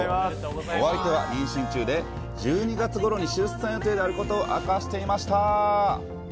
お相手は妊娠中で、１２月ごろに出産予定であることを明かしていました。